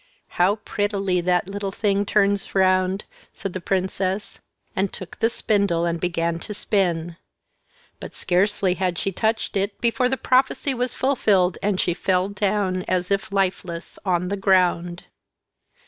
"How prettily that little thing turns round!" said the princess, and took the spindle and began to spin. But scarcely had she touched it before the prophecy was fulfilled, and she fell down, as if lifeless, on the ground.